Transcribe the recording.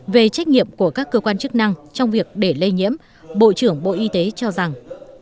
về trách nhiệm của các cơ quan chức năng trong việc để lây nhiễm bộ trưởng bộ y tế cho rằng